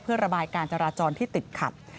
เพื่อระบายการจราจรที่ติดขัด